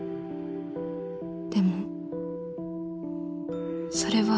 でもそれは